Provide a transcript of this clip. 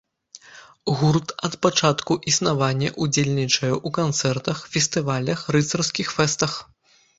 Гурт ад пачатку існавання ўдзельнічае ў канцэртах, фестывалях, рыцарскіх фэстах.